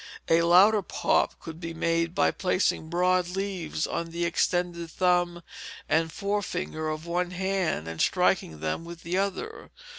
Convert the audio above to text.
A louder pop could be made by placing broad leaves on the extended thumb and forefinger of one hand and striking them with the other.